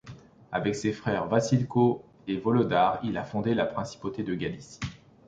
Avec ses frères Vassylko et Volodar, il a fondé la Principauté de Galicie.